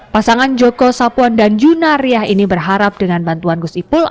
pasangan joko sapuan dan juna riah ini berharap dengan bantuan gusipul